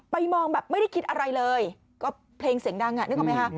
มองแบบไม่ได้คิดอะไรเลยก็เพลงเสียงดังอ่ะนึกออกไหมคะ